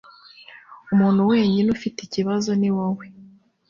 Umuntu wenyine ufite ikibazo niwowe.